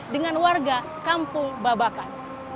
dengan warga kampung babakan